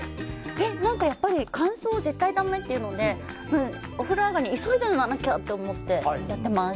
何か、やっぱり乾燥は絶対だめっていうのでお風呂上がり急いで塗らなきゃと思ってやっています。